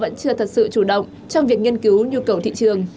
vẫn chưa thật sự chủ động trong việc nghiên cứu nhu cầu thị trường